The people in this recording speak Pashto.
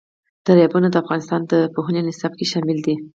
دریابونه د افغانستان د پوهنې نصاب کې شامل دي.